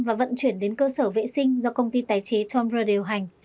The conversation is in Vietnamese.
và vận chuyển đến cơ sở vệ sinh do công ty tài chế tombra điều hành